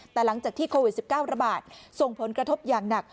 แต่หลังจากที่โควิด๑๙ระบาดส่งผลกระทบอย่างหนัก